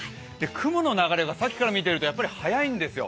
雲の流れがさっきから見ていると速いんですよ。